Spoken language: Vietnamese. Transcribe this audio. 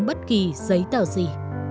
bất kỳ giấy tờ gì